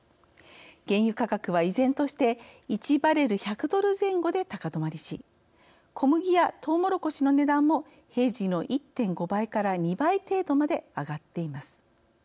原油価格は依然として１バレル１００ドル前後で高止まりし小麦やトウモロコシの値段も平時の１．５倍から２倍程度まで上がっています。